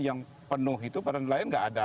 yang penuh itu para nelayan tidak ada